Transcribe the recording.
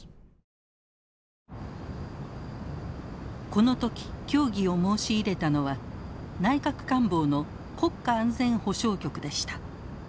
この時協議を申し入れたのは内閣官房の国家安全保障局でした。